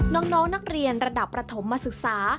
น้องนักเรียนระดับประถมมาศึกษา